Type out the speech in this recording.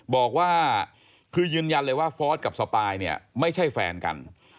บอกว่าคือยืนยันเลยว่าฟอร์สกับสปายเนี่ยไม่ใช่แฟนกัน